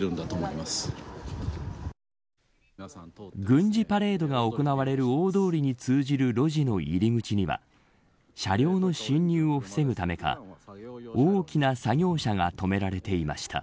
軍事パレードが行われる大通りに通じる路地の入り口には車両の進入を防ぐためか大きな作業車が止められていました。